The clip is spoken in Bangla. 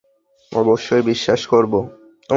অবশ্যই বিশ্বাস করব।